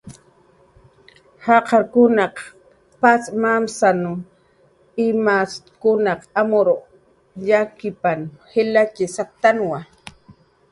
jaqarkunaq patz mamasw imtaskun amur yakipna jilatxi saktna